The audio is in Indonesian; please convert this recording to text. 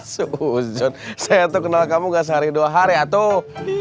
sujon saya tuh kenal kamu nggak sehari dua hari ya tuh